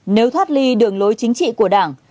nếu thoát ly đường lối chính trị của đảng